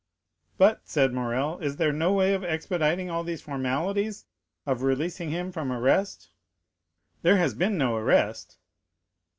"But," said Morrel, "is there no way of expediting all these formalities—of releasing him from arrest?" "There has been no arrest."